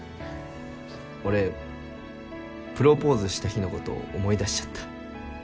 俺プロポーズした日のこと思い出しちゃった。